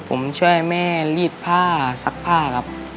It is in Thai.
ผมช่วยแม่รีดผ้าซักผ้าครับ